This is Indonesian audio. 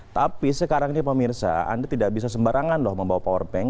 tapi sekarang ini pak mirza anda tidak bisa sembarangan membawa powerbank